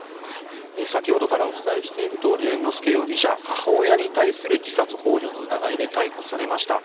先ほどからお伝えしているとおり猿之助容疑者母親に対する自殺ほう助の疑いで逮捕されました。